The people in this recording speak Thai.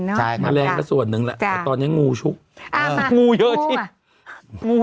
ใช่แมลงก็ส่วนหนึ่งแหละแต่ตอนนี้งูชุกงูเยอะชิดงู